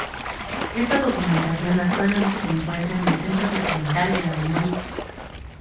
Esta documentación actualmente se encuentra en el Centro Documental de la Memoria Histórica.